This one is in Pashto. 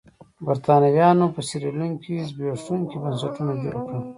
برېټانویانو په سیریلیون کې زبېښونکي بنسټونه جوړ کړل.